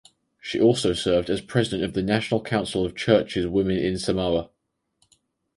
She also served as President of the National Council of Churches Women in Samoa.